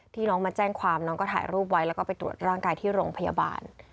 น้องมาแจ้งความน้องก็ถ่ายรูปไว้แล้วก็ไปตรวจร่างกายที่โรงพยาบาล